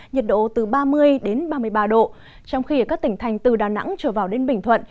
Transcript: nhiệt độ từ ba mươi ba mươi ba độ trong khi ở các tỉnh thành từ đà nẵng trở vào đến bình thuận